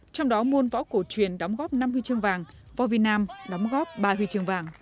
trong đó môn võ cổ truyền đóng góp năm huy chương vàng vovinam đóng góp ba huy chương vàng